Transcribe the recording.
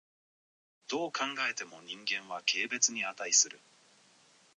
どう考えても人間は軽蔑に価する。